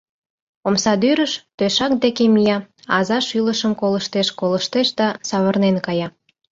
Омсадӱрыш, тӧшак деке мия, аза шӱлышым колыштеш-колыштеш да савырнен кая.